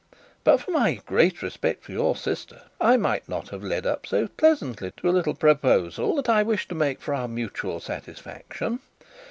But for my great respect for your sister, I might not have led up so pleasantly to a little proposal that I wish to make for our mutual satisfaction.